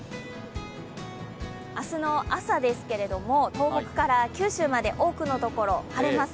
明日の朝ですけれども、東北から九州まで多くのところ、晴れます。